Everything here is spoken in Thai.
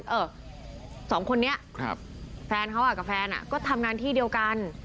เออสองคนนี้แฟนเขากับแฟนก็ทำงานที่เดียวกัน